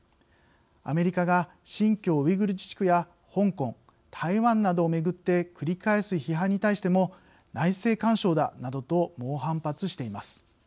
アメリカが新疆ウイグル自治区や香港、台湾などをめぐって繰り返す批判に対しても内政干渉だなどと猛反発しています。